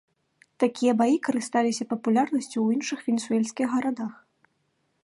Такія баі карысталіся папулярнасцю ў іншых венесуэльскіх гарадах.